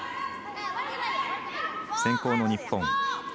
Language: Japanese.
先攻の日本。